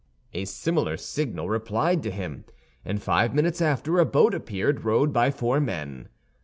A similar signal replied to him; and five minutes after, a boat appeared, rowed by four men.